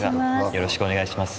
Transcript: よろしくお願いします。